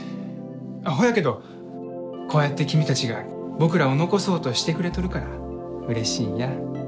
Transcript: ほやけどこうやって君たちが僕らを残そうとしてくれとるからうれしいんや。